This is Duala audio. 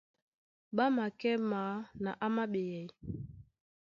Ɓá makɛ́ maa na áma a ɓeyɛy.